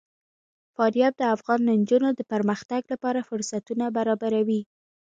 فاریاب د افغان نجونو د پرمختګ لپاره فرصتونه برابروي.